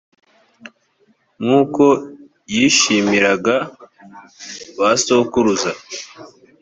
nk’uko yishimiraga ba sokuruza,